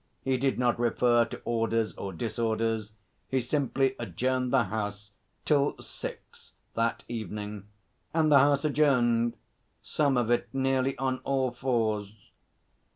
He did not refer to orders or disorders. He simply adjourned the House till six that evening. And the House adjourned some of it nearly on all fours.